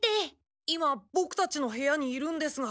今ボクたちの部屋にいるんですが。